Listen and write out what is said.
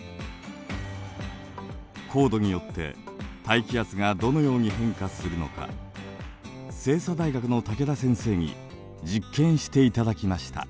高度によって大気圧がどのように変化するのか星槎大学の武田先生に実験していただきました。